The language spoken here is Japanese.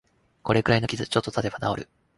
これくらいの傷、ちょっとたてば治る